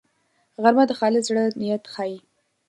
غرمه د خالص زړه نیت ښيي